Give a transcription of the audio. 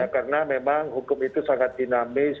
karena memang hukum itu sangat dinamis